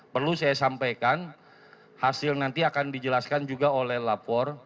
perlu saya sampaikan hasil nanti akan dijelaskan juga oleh lapor